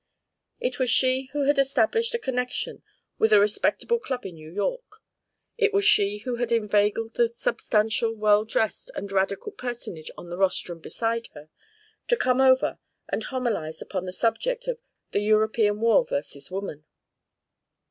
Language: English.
It was she who had established a connection with a respectable club in New York; it was she who had inveigled the substantial well dressed and radical personage on the rostrum beside her to come over and homilise upon the subject of "The European War vs. Woman."